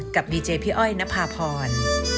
กับบีเจพี่อ้อยณพาภร